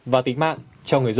và tính mạng cho người dân